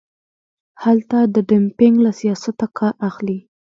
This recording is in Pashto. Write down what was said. هلته د ډمپینګ له سیاسته کار اخلي.